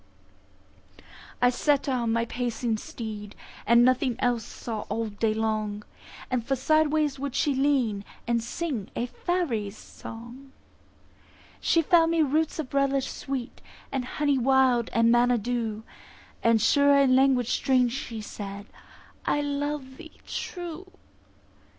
I set her on my pacing steed, And nothing else saw all day long; For sideways would she lean, and sing A faery's song. She found me roots of relish sweet, And honey wild, and manna dew; And sure in language strange she said, "I love thee true."